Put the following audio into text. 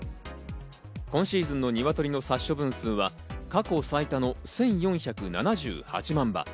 今シーズンの鶏の殺処分数は過去最多の１４７８万羽。